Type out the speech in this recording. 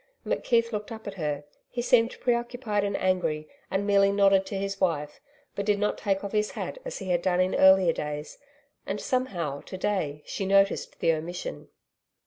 McKeith looked up at her. He seemed preoccupied and angry, and merely nodded to his wife, but did not take off his hat as he had done in earlier days and, somehow, to day she noticed the omission.